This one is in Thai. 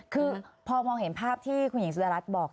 คือพอมองเห็นภาพที่คุณหญิงสุดารัฐบอก